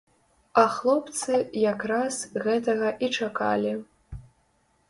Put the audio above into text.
А хлопцы як раз гэтага і чакалі.